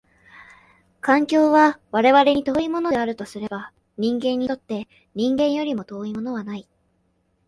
環境は我々に遠いものであるとすれば、人間にとって人間よりも遠いものはない。